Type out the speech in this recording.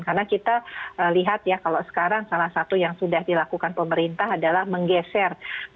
karena kita lihat ya kalau sekarang salah satu yang sudah dilakukan pemerintah adalah menggeser